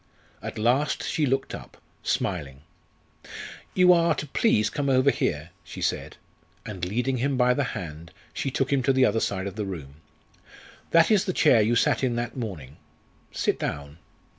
At last she looked up, smiling. "You are to please come over here," she said, and leading him by the hand, she took him to the other side of the room. "That is the chair you sat in that morning. Sit down!"